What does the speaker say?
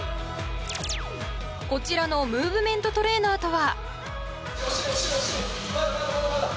こちらのムーブメントトレーナーとは。